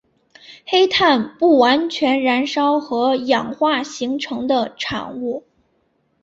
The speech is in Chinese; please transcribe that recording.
黑碳不完全燃烧和氧化形成的产物。